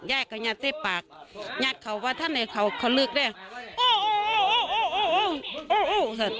ย่ายก็ยัดใส่ปากยัดเขาว่าท่านเนยเขาเขาลืกได้